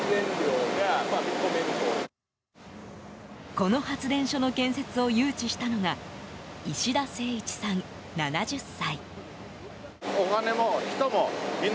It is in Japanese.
この発電所の建設を誘致したのが石田清一さん、７０歳。